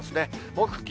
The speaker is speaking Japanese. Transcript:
木金